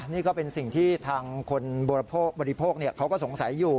นี่ก็เป็นสิ่งที่ทางคนบริโภคบริโภคเขาก็สงสัยอยู่